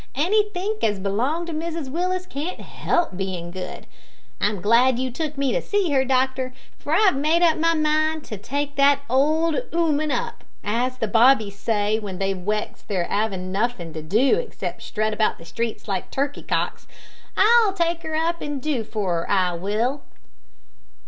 Anythink as belonged to Mrs Willis can't help bein' good. I'm glad you took me to see her, doctor, for I've made up my mind to take that old 'ooman up, as the bobbies say w'en they're wexed with avin' nuffin' to do 'xcept strut about the streets like turkey cocks. I'll take 'er up and do for 'er, I will."